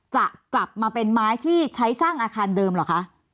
จะกลับมาเป็นไม้ที่ใช้สร้างอาคารเดิมเหรอคะ